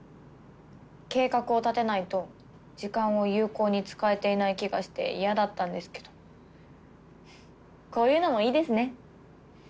計画を立てないと時間を有効に使えていない気がして嫌だったんですけどこういうのもいいですね。